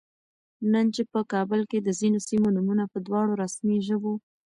نن چې په کابل کې د ځینو سیمو نومونه په دواړو رسمي ژبو